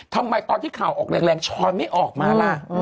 ทำไมตอนที่ข่าวออกแรงชอยไม่ออกมาล่ะ